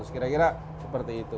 kira kira seperti itu